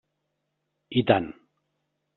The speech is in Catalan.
I tant.